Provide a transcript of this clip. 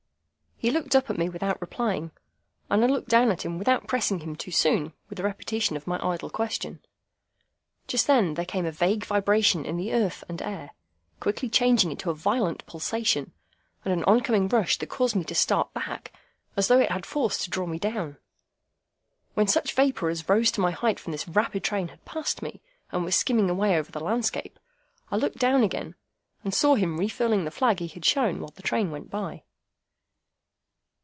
He looked up at me without replying, and I looked down at him without pressing him too soon with a repetition of my idle question. Just then there came a vague vibration in the earth and air, quickly changing into a violent pulsation, and an oncoming rush that caused me to start back, as though it had force to draw me down. When such vapour as rose to my height from this rapid train had passed me, and was skimming away over the landscape, I looked down again, and saw him refurling the flag he had shown while the train went by.